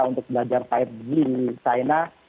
untuk belajar lima g di china